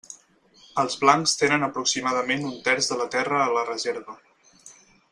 Els blancs tenen aproximadament un terç de la terra a la reserva.